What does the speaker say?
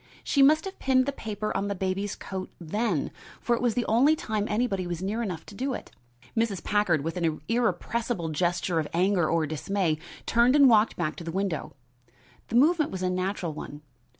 She must have pinned the paper on the baby's coat then, for it was the only time anybody was near enough to do it." Mrs. Packard, with an irrepressible gesture of anger or dismay, turned and walked back to the window. The movement was a natural one.